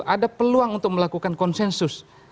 ada peluang untuk melakukan konsensus